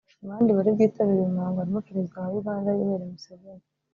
Mu bandi bari bwitabire uyu muhango harimo Perezida wa Uganda Yoweri Museveni